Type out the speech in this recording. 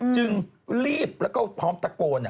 จึงรีบแล้วก็พร้อมตะโกน